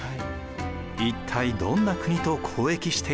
一体どんな国と交易していたのか。